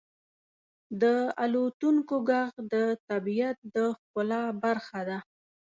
• د الوتونکو ږغ د طبیعت د ښکلا برخه ده.